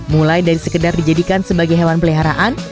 mulai dari sekedar dijadikan sebagai hewan peliharaan